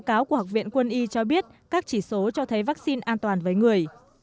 báo cáo của học viện quân y cho biết các chỉ số cho thấy vaccine an toàn với người